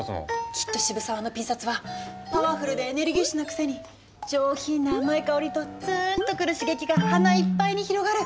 きっと渋沢のピン札はパワフルでエネルギッシュなくせに上品な甘い香りとつーんとくる刺激が鼻いっぱいに広がる。